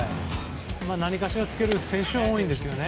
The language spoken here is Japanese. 何かしらをつける選手も多いんですよね。